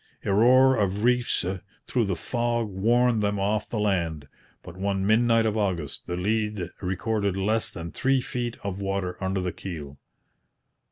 A roar of reefs through the fog warned them off the land; but one midnight of August the lead recorded less than three feet of water under the keel.